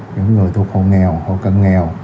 những người thuộc hồ nghèo hồ cân nghèo